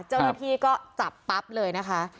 เจ้าหน้าที่ก็จับปั๊บเลยนะคะ